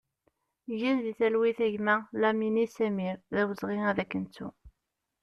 Gen di talwit a gma Lamini Samir, d awezɣi ad k-nettu!